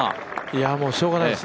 もうしようがないです。